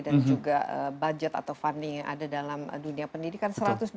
dan juga budget atau funding yang ada dalam dunia pendidikan